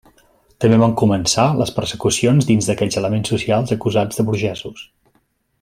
També van començar les persecucions dins d'aquells elements socials acusats de burgesos.